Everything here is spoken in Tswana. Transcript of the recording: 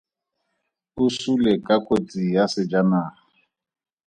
O sule ka kotsi ya sejanaga.